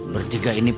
bertiga ini pun